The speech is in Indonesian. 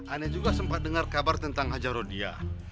aneh juga sempat dengar kabar tentang hajaroh dia